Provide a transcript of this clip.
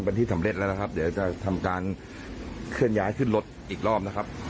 บันที่สำเร็จแล้วเดี๋ยวจะทำการเคลื่อนย้ายขึ้นรถอีกรอบ